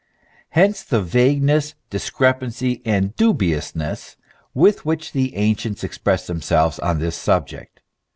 Hence the vagueness, discrepancy, and dubiousness with which the ancients express themselves on this subject.